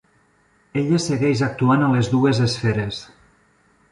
Ella segueix actuant a les dues esferes.